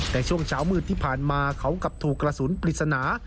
แต่ช่วงเช้ามืดที่ผ่านมาเขากลับถูกกระสุนปริศนา